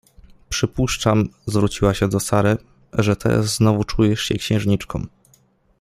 Przypuszczam — zwróciła się do Sary — że teraz znowu czujesz się księżniczką.